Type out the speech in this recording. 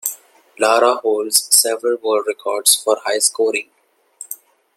Lara holds several world records for high scoring.